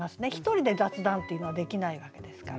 １人で雑談っていうのはできないわけですから。